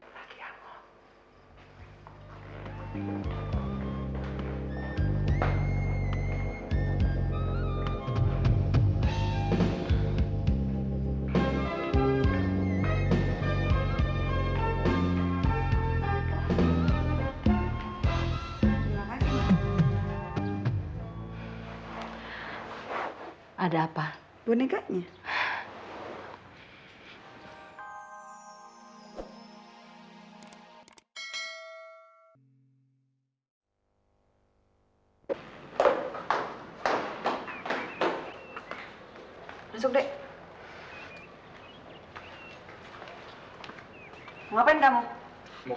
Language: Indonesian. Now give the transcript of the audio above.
sampai jumpa di video selanjutnya